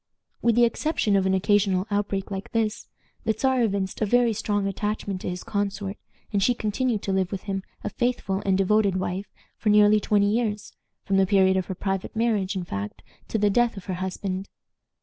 With the exception of an occasional outbreak like this, the Czar evinced a very strong attachment to his consort, and she continued to live with him a faithful and devoted wife for nearly twenty years; from the period of her private marriage, in fact, to the death of her husband.